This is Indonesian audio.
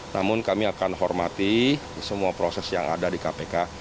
namun kami akan hormati semua proses yang ada di kpk